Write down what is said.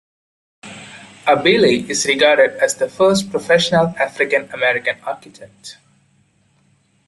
Abele is regarded as the first professional African American architect.